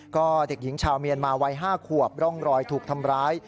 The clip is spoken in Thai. ก็เด็กหญิงชาวเมียนมาวัย๕ขวบร่องรอยถูกทำร้าย